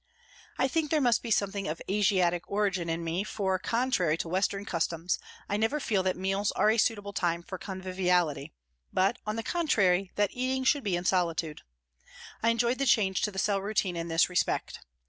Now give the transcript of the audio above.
I think there must be something of Asiatic origin FROM THE CELLS 183 in me, for, contrary to Western customs, I never feel that meals are a suitable time for conviviality, but, on the contrary, that eating should be in solitude. I enjoyed the change to the cell routine in this respect.